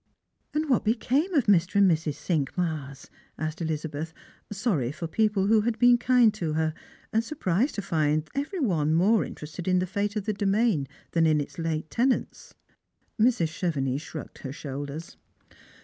"And what became of Mr. and Mrs. Cinqmars?" asked Elizabeth, sorry for people who had been kind to her, and sur prised to find every one more interested in the fate of the domain than in its late tenants. Mrs. Chevenix shrugged her shoulders.